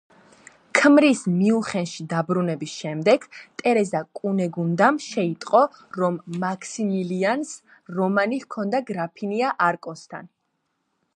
ქმრის მიუნხენში დაბრუნების შემდეგ, ტერეზა კუნეგუნდამ შეიტყო, რომ მაქსიმილიანს რომანი ჰქონდა გრაფინია არკოსთან.